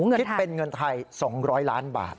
คิดเป็นเงินไทย๒๐๐ล้านบาท